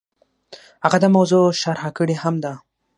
هغه دا موضوع شرح کړې هم ده.